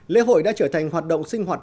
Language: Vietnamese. lễ hội đã trở thành hoạt động sinh hoạt